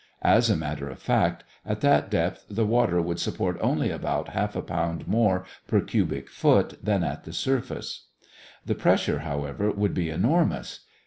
As a matter of fact, at that depth the water would support only about half a pound more per cubic foot than at the surface. The pressure, however, would be enormous.